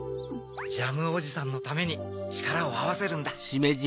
ジャムおじさんのためにちからをあわせるんだ！